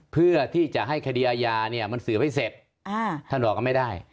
เพื่อที่จะให้คดีอาญาเนี่ยมันสืบให้เสร็จท่านบอกว่าไม่ได้